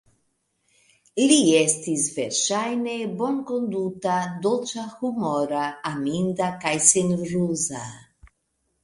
Li estis verŝajne bonkonduta, dolĉahumora, aminda kaj senruza.